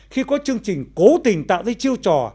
khi có chương trình cố tình tạo ra chiêu trò